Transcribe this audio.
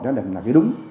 đó là cái đúng